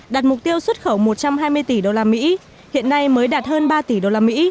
đặt mục tiêu xuất khẩu một trăm hai mươi tỷ usd hiện nay mới đạt hơn ba tỷ usd